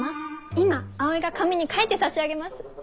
今葵が紙に書いてさしあげます。